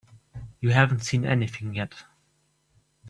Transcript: You haven't seen anything yet.